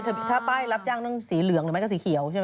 ถ้าป้ายรับจ้างต้องสีเหลืองหรือไม่ก็สีเขียวใช่ไหม